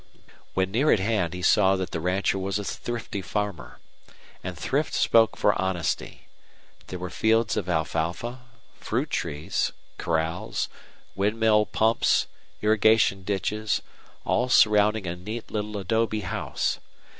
When near at hand he saw that the rancher was a thrifty farmer. And thrift spoke for honesty. There were fields of alfalfa, fruit trees, corrals, windmill pumps, irrigation ditches, all surrounding a neat little adobe house.